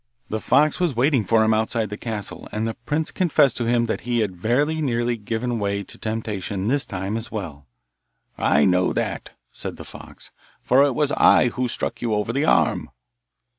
The fox was waiting for him outside the castle, and the prince confessed to him that he had very nearly given way to temptation this time as well. 'I know that,' said the fox, 'for it was I who struck you over the arm.